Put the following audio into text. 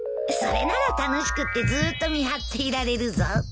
それなら楽しくってずっと見張っていられるぞ。